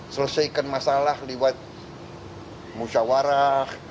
selesaikan masalah lewat musyawarah